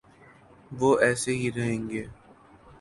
وہ ایسے ہی رہیں گے۔